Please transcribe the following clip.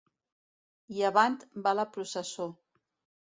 I avant va la processó.